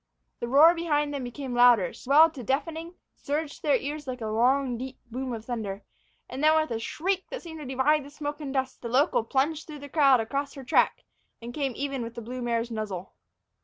The roar behind them became louder, swelled to deafening, surged to their ears like a long, deep boom of thunder. And then, with a shriek that seemed to divide the smoke and dust, the local plunged through the cloud across her track and came even with the blue mare's muzzle.